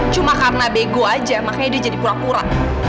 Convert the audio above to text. cuma karena bego aja makanya dia jadi pura pura